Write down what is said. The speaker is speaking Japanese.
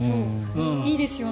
いいですよ。